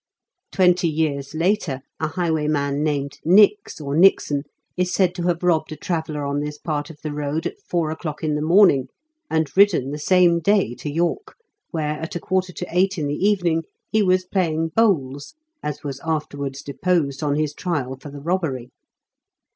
Twenty years later, a highwayman named Nicks or Nixon is said to have robbed a traveller on this part of the road at four o'clock in the morning, and ridden the same day to York, where, at a quarter to eight in the evening, he was playing bowls, as was after wards deposed on his trial for the robbery.